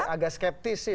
agak skeptis sih